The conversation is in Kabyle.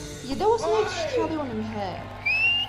Yella wasmi ay teccetkaḍ i unemhal?